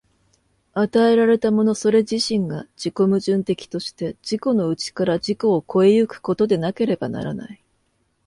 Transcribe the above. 与えられたものそれ自身が自己矛盾的として、自己の内から自己を越え行くことでなければならない。